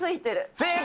正解。